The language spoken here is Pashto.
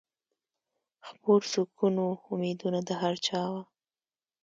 خپور سکون و امیدونه د هر چا وه